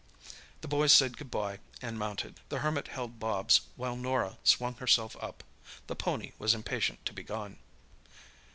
The boys said "good bye" and mounted. The Hermit held Bobs while Norah swung herself up—the pony was impatient to be gone.